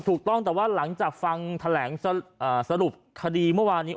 ถูกต้องแต่ว่าหลังจากฟังแถลงสรุปคดีเมื่อวานนี้